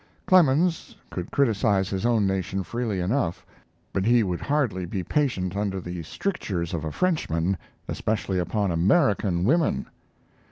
Clemens could criticize his own nation freely enough, but he would hardly be patient under the strictures of a Frenchman, especially upon American women.